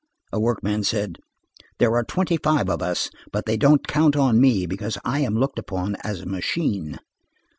A workman said: "There are twenty five of us, but they don't count on me, because I am looked upon as a machine."